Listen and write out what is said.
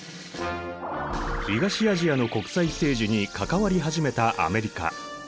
東アジアの国際政治に関わり始めたアメリカ。